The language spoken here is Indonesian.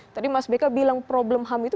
tadi mas beka bilang problem ham itu